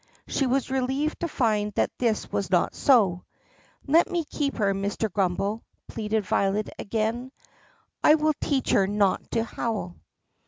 She was relieved to find that this was not so. "Let me keep her, Mr. Grummbel," pleaded Violet again. "I will teach her not to howl."